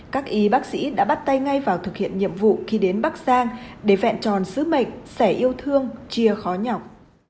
các y bác sĩ đã bắt tay ngay vào thực hiện nhiệm vụ khi đến bắc giang để vẹn tròn sứ mệnh sẻ yêu thương chia khó nhọc